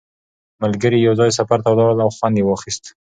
ملګري یو ځای سفر ته ولاړل او خوند یې واخیست